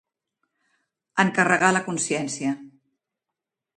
Encarregar la consciència.